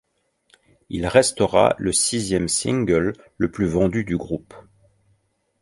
Il restera le sixième single le plus vendu du groupe.